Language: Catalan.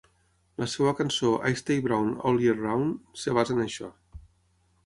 La seva cançó "I Stay Brown All Year Round" es basa en això.